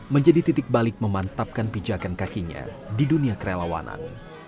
menjadi titik balik memantapkan pijakan kakinya di dunia kerelawanan